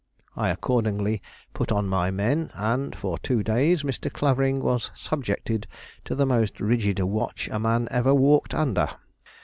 I accordingly put on my men, and for two days Mr. Clavering was subjected to the most rigid watch a man ever walked under.